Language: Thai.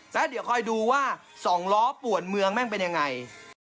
แล้วเดี๋ยวคอยดูว่า๒ล้อป่วนเมืองแม่งเป็นยังไง